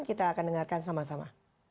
kita akan dengarkan sama sama